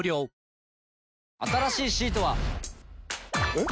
えっ？